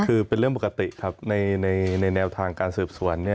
คือเป็นเรื่องปกติครับในแนวทางการสืบสวน